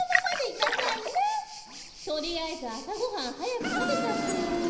とりあえずあさごはんはやくたべちゃってよ。